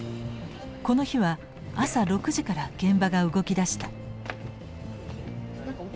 この日は朝６時から現場が動きだした。